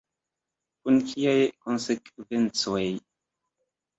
Kun kiaj konsekvencoj?